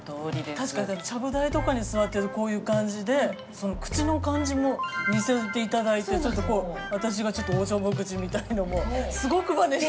確かにちゃぶ台とかに座ってるとこういう感じで口の感じも似せて頂いてちょっとこう私がちょっとおちょぼ口みたいのもすごくまねして。